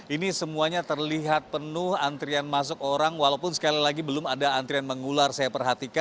ini semuanya terlihat penuh antrian masuk orang walaupun sekali lagi belum ada antrian mengular saya perhatikan